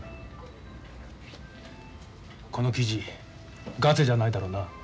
この記事ガセじゃないだろうな？